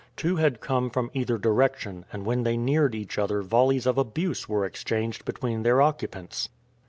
Two had come from either direction, and when they neared each other volleys of abuse were exchanged between their occupants.